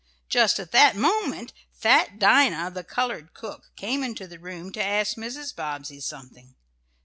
Just at that moment fat Dinah, the colored cook, came into the room to ask Mrs. Bobbsey something.